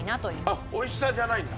あっ美味しさじゃないんだ？